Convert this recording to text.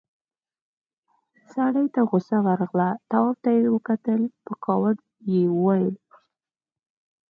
سړي ته غوسه ورغله، تواب ته يې وکتل، په کاوړ يې وويل: